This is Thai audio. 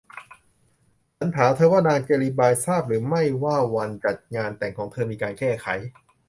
ฉันถามเธอว่า นางเจลลีบายทราบหรือไม่ว่าวันจัดงานแต่งของเธอมีการแก้ไข